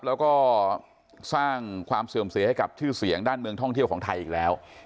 แล้วก็สร้างความเสื่อมเสียให้กับชื่อเสียงด้านเมืองท่องเที่ยวของไทยอีกแล้ว